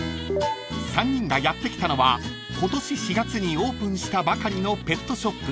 ［３人がやって来たのは今年４月にオープンしたばかりのペットショップ］